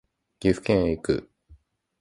岐阜県へ行く